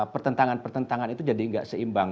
pertentangan pertentangan itu jadi nggak seimbang